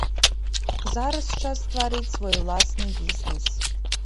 Зараз час стварыць свой уласны бізнес.